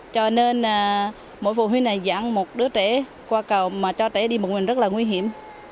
cho nên mỗi phụ huynh này dạng một đứa trẻ qua cầu mà cho trẻ đi một mình rất là nguy hiểm